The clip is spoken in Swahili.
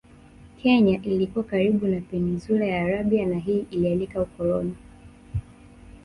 Kenya ilikuwa karibu na Peninsula ya Arabia na hii ilialika ukoloni